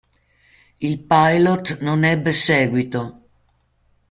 Il pilot non ebbe seguito.